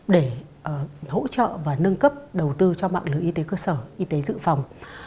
để hỗ trợ và nâng cấp đầu tư cho mạng lưới y tế cơ sở y tế dự phòng